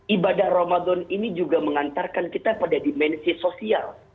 ibadah ramadan ini juga mengantarkan kita pada dimensi sosial